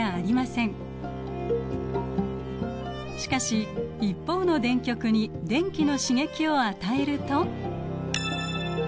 しかし一方の電極に電気の刺激を与えると。